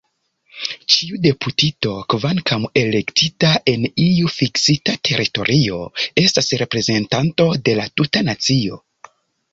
Ĉiu deputito, kvankam elektita en iu fiksita teritorio, estas reprezentanto de la tuta nacio.